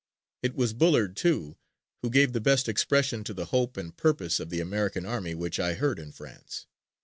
It was Bullard, too, who gave the best expression to the hope and purpose of the American army which I heard in France.